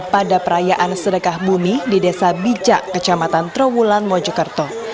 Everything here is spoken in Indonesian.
pada perayaan sedekah bumi di desa bijak kecamatan trawulan mojokerto